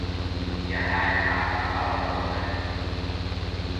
Иаҳа-иаҳа ахалара уадаҩхон.